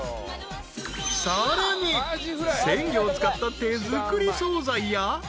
［さらに鮮魚を使った手作り総菜や］